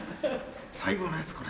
最後のやつこれ？